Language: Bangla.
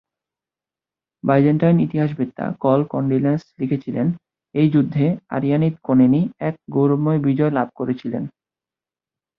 বাইজান্টাইন ইতিহাসবেত্তা কলকন্ডিলেস লিখেছিলেন: এই যুদ্ধে আরিয়ানিত কোনেনি এক গৌরবময় বিজয় লাভ করেছিলেন।